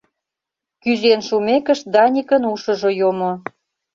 Кӱзен шумекышт Даникын ушыжо йомо.